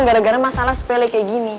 gara gara masalah sepele kayak gini